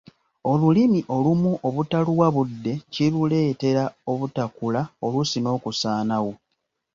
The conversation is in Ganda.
Olulimi olumu obutaluwa budde kiruleetera obutakula oluusi n'okusaanawo.